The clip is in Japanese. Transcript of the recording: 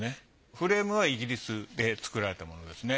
フレームはイギリスで作られたものですね。